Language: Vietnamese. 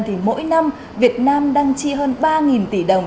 thì mỗi năm việt nam đang chi hơn ba tỷ đồng